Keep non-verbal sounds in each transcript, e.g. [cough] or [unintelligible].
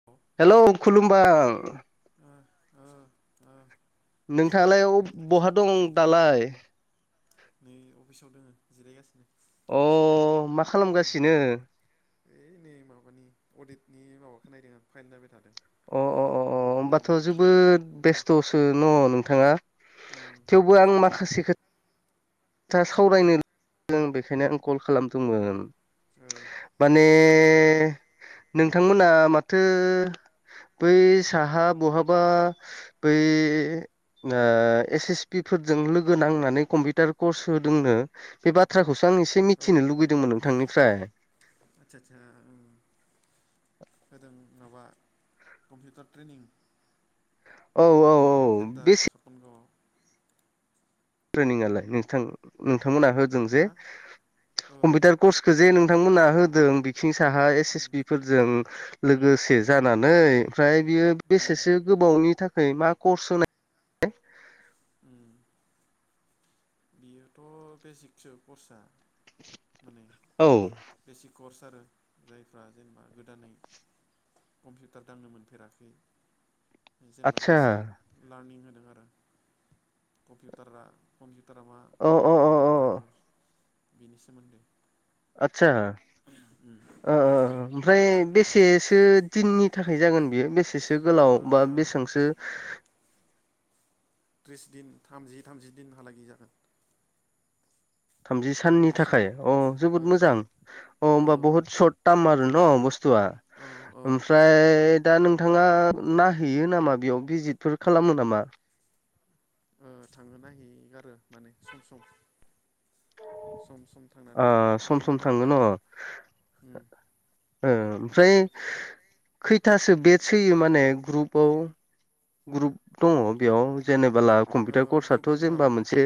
[unintelligible] Hello खुलुमबा [unintelligible] खुलुमबाय नोंथाङालाय अब बहा दं दालाय? नै अफिसाव दोङो जिरायगासिनो। अ मा खालामगासिनो? ओइ नै माबानि अडिटनि माबाखौ नायदों आं फाइन नायबाय थादों। अ अ अ अ गोदान होमबाथ' अडिटनि जोबोद उम बेस्थ'सो न' नोंथाङा? उम थेवबो आं बेस्थ'आवनो माखासे खो था सावरायनो [inaudible] बेखायनो आं कल खालाम उम दंमोन ओ माने मा खोथामोन नोंथांमोना माथो बै साहा बहाबा बै आ एस एस पि फोरजों लोगो नांनानै कम्पिटार कर्स होदोंनो बे बाथ्राखौसो आं इसे मिथिनो लुगैदोंमोन नोंथांनिफ्राय। आच्सा सा होदों माबा कम्पिउटार ट्रेनिं। औ औ। सेन्टार बेसे सपनगावआव। ट्रेनिंङालाय नोंथां नोंथांमोना होदों जे हा ओ कम्पिटार कर्सखो जे नोंथांमोना होदों बिथिं साहा एस उम एस बि फोरजों लोगोसे जानानै ओमफ्राय बियो उम बेसेसो गोबावनि थाखाय मा कर्स होनाय उम बेयोथ' बेसिकसो कर्सआ माने औ बेसिक कर्स आरो जायफ्रा जेनेबा गोदानै कम्पिउटार दांनो मोनफेराखै बे जेनेबा आदसा बेसिक लार्निं होदों आरो कपिउटारा कम्पिउटारा मा अ कम्पिउटार अ मायदि अ बाहायो बिनि सोमोन्दो आदसा ओ उम। ओमफ्राय बेसेसो दिननि थाखाय जागोन बेयो बेसेसो ओ गोलाव बा बेसांसो ट्रिस दिन थामजि थामजि दिनहालागै जागोन। थामजि साननि थाखाय अ ओ जोबोद ओ मोजां अ औ होमबा बहुत सर्ट टाम आरो न बस्थुआ? औ औ ओ ओमफ्राय दा नोंथाङा नाहैयो नामा बेयाव भिजिटफोर खालामो नामा? थाङो नाहैगारो माने सम सम सम सम। ओ थांनानै सम बिदिनो सम थाङो न' नायहैगारो उम। ओ ओमफ्राय खैथासो बेटस होयो माने ग्रुपआव? ग्रुप दङ बेयाव जेनेबोला ओ कम्पिउटार ग्रुप कर्सआथ' मोनथाम जेनेबा मोनसे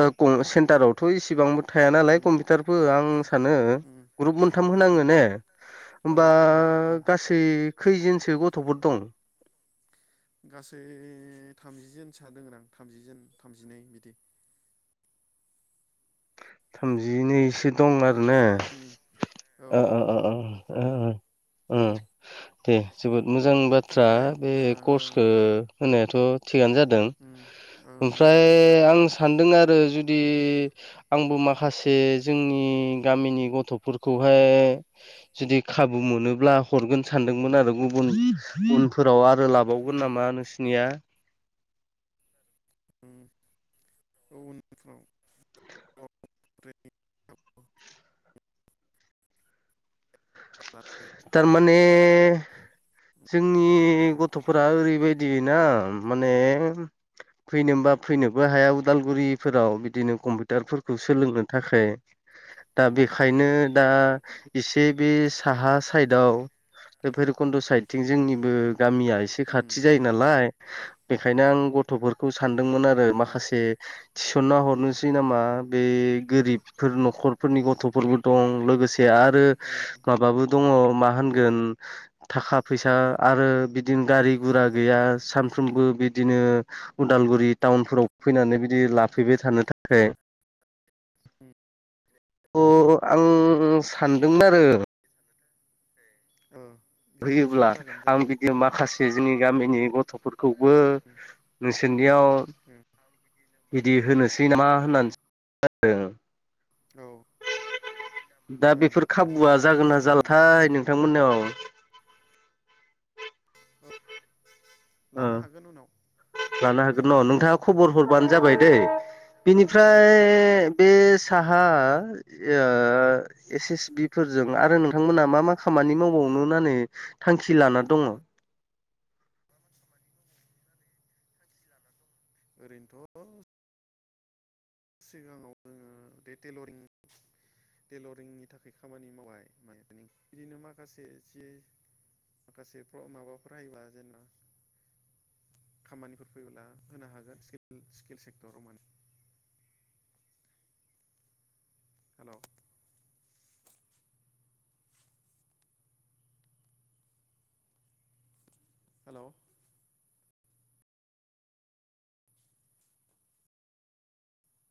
ओ क सेन्टारावथ' इसेबांबो थाया नालाय उम कम्पिउटारबो आं सानो उम ग्रुप मोनथाम उम उम उम होनाङो ने? औ होमबा ग्रुप मोनथाम ओ गासै खैजनसो गथ'फोर दं? गासै थामजिजोनसा दोङोदां थामजिजोन थामजिनै बिदि। थामजिनैसो दं आरोना? ओम। ओ ओ ओ ओ ओ उम ओम दे जोबोद मोजांनि बाथ्रा ओमफ्राय बे ओ ओ कर्सखो होनायाथ' थिगानो जा दों उम औ ओमफ्राय मोजाङानो आं सानदों आरो जुदि आंबो माखासे जोंनि गामिनि गथ'फोर खौहाय जुदि खाबु मोनोब्ला हरगोन सानदोंमोन आरो गुबुन उनफोराव आरो उम लाबावगोन नामा नोंसो थिङा उम औ उनफ्राव खबर थारमाने जोंनि मोनगोन गथ'फोरा ओरैबायदि ना माने फैनोबा फैनोबो हाया उदालगुरिफोराव बिदिनो कम्पिउटारफोरखौ सोलोंनो थाखाय दा बेखायनो दा एसे बे उम साहा साइदाव बे भैरबकुन्द साइदथिं जोंनिबो गामिया एसे एसे उम खाथि जायो नालाय बेखायनो आं गथ'फोरखौ सानदोंमोन आरो माखासे दा थिसनना हरनोसै नामा बे गोरिबफोर न'खरफोरनि गथ'फोरबो दं लोगोसे आरो माबाबो दङ मा होनगोन थाखा फैसा उम आरो बि थिं गारि गुरा गैया सानफ्रोमबो बि दिनो उदालगुरि टाउनफोराव फैनानै बिदि लाफैबाय थानो थाखाय। उम अ आं सानदोंमोन आरो बे सानोथ' ए ओं बिनि थाखाय होयोब्ला सुबिदा जागोन आं जाबालाय बिदि खालामनो माखासे जोंनि आं गामिनि सानदोंमोन गथ'फोरखौबो आरो नोंसोरनियाव ब्ला आं बिदिनो बिदि माखासे होनोसै जोंनि नामा गामि होननानै [unintelligible] दा ओं बेफोर खाबुआ जागोन ना उम जालाथाय नों नोंथां मोननाव [unintelligible] ओ उनाव लानो हागोन न नोंथाङा खबर उम हरबानो ओ जाबाय दैे। उनाव ओ बिनिफ्राय खबर हरगोन बे साहा ओ एस एस बि फोरजों आरो नोंथांमोना मा मा खामानि मावबावनो होननानै थांखि लाना दङ? [unintelligible] [inaudible] ओरैनोथ' सिगाङाव जोङो बे टेलरिं टेलरिंनि थाखाय खामानि मावबाय माने बिदिनो माखासे जि माखासेफ्राव माबाफोर हायोबा जेनबा खामानिफोर फैयोब्ला होनो हागोन स्किल सेक्टराव माने हेल' हेल'